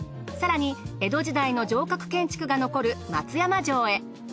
更に江戸時代の城郭建築が残る松山城へ。